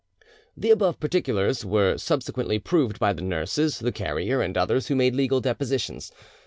The above particulars were subsequently proved by the nurses, the carrier, and others who made legal depositions.